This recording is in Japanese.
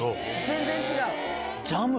全然違う？